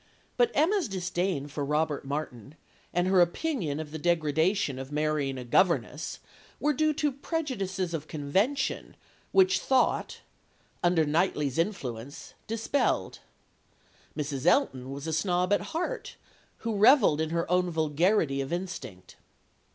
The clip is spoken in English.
But Emma's disdain for Robert Martin, and her opinion of the degradation of marrying a governess, were due to prejudices of convention, which thought under Knightley's influence dispelled. Mrs. Elton was a snob at heart, who revelled in her own vulgarity of instinct.